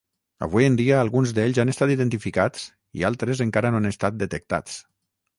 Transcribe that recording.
Avui en dia, alguns d'ells han estat identificats i altres encara no han estat detectats.